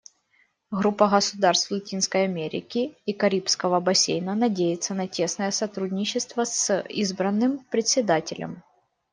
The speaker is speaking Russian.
Группа государств Латинской Америки и Карибского бассейна надеется на тесное сотрудничество с избранным Председателем.